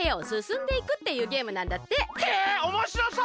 へえおもしろそう！